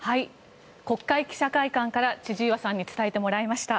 国会記者会館から千々岩さんに伝えてもらいました。